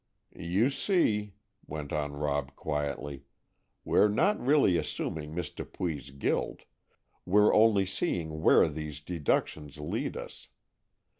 "You see," went on Rob quietly, "we're not really assuming Miss Dupuy's guilt, we're only seeing where these deductions lead us.